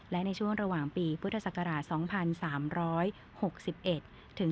และในช่วงระหว่างปีพุทธศักราช